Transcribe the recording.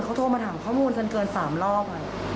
เขาโทรมาถามข้อมูลจนเกิน๓รอบ